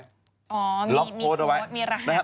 อ๋อมีโค้ดมีรหัสนะครับ